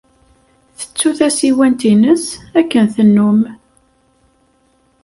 Tettu tasiwant-nnes, akken tennum.